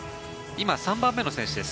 今、３番目の選手です。